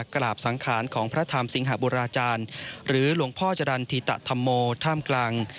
กราบสังขารของพระธรรมสิงหบุราจารย์หรือหลวงพ่อจรรย์ธิตธรรมโมท่ามกลาง